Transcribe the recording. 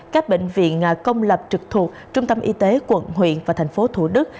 các bệnh viện công lập trực thuộc trung tâm y tế quận huyện và tp thủ đức